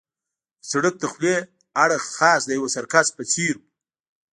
د سړک دخولي اړخ خاص د یوه سرکس په څېر وو.